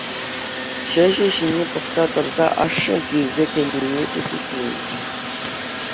Çĕçĕ ҫине пӑхса тӑрса ашшӗ килсе кӗнине те сисмен.